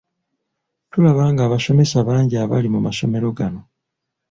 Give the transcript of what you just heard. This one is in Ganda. Tulaba ng’abasomesa bangi abali mu masomero gano.